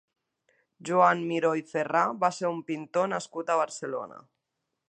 Joan Miró i Ferrà va ser un pintor nascut a Barcelona.